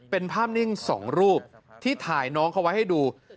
เป็นภาพนิ่ง๒รูปที่ถ่ายน้องเขาไว้ให้ดู